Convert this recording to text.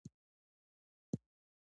سړی د درملو له کڅوړې سره په منډه روان و.